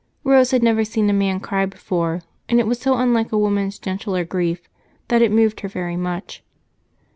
Rose had never seen a man cry before, and it was so unlike a woman's gentler grief that it moved her very much.